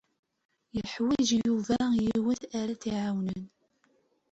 Yuḥwaǧ Yuba yiwet ara t-iɛawnen.